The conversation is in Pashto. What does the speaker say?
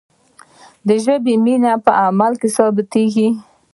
د ژبې مینه په عمل کې ثابتیږي.